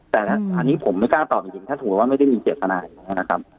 แต่อันนี้ผมไม่กล้าตอบจริงถ้าสมมุติว่าไม่ได้มีเจตนาอย่างนี้นะครับ